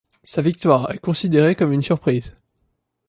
Sa victoire est considérée comme une surprise.